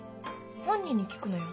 本人に聞くのよ。